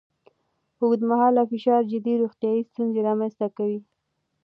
اوږدمهاله فشار جدي روغتیایي ستونزې رامنځ ته کوي.